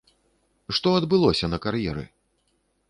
Што адбылося на кар'еры?